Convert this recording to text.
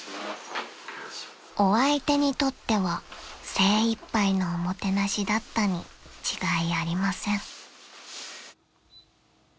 ［お相手にとっては精いっぱいのおもてなしだったに違いありません］